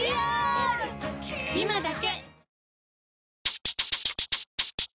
今だけ！